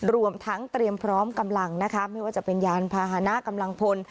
รวมทั้งเตรียมพร้อมกำลังนะคะไม่ว่าจะเป็นยานพาหนะกำลังพล